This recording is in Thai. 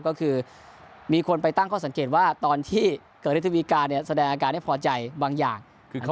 ก็คือมีคนไปตั้งข้อสังเกตว่าตอนที่เกิดฤทธวีการเนี่ยแสดงอาการให้พอใจบางอย่าง